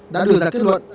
đã đưa ra kết luận